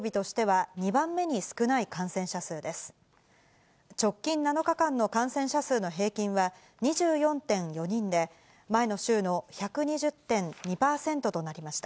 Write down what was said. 直近７日間の感染者数の平均は、２４．４人で、前の週の１２０．２％となりました。